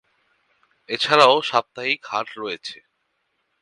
এছাড়াও সাপ্তাহিক হাট রয়েছে।